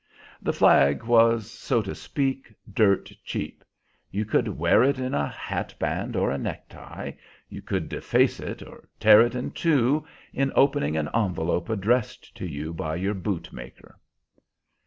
The flag was, so to speak, dirt cheap. You could wear it in a hatband or a necktie; you could deface it, or tear it in two, in opening an envelope addressed to you by your bootmaker.